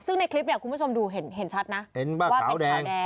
ซึ่งในคลิปเนี่ยคุณผู้ชมดูเห็นชัดนะว่าเป็นขาวแดง